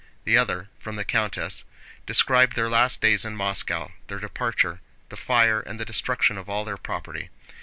The other, from the countess, described their last days in Moscow, their departure, the fire, and the destruction of all their property.